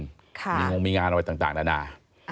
มีงงมีงานอะไรต่างนานา